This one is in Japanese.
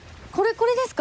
これですか？